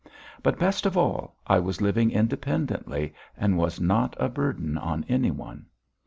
But, best of all, I was living independently and was not a burden on any one.